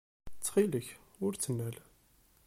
Ttxil-k, ur ttnal.